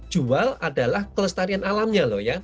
jual adalah kelestarian alamnya